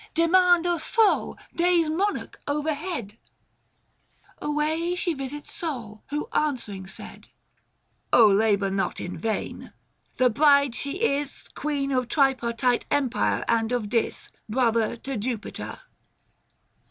Demand of Sol, day's monarch overhead !" Away, she visits Sol, who, answering, said 660 " labour not in vain ! the bride she is Queen of tripartite empire and of Dis, Brother to Jupiter."